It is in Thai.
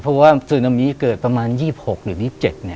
เพราะว่าซูนามีเกิดประมาณ๒๖๒๗เนี่ย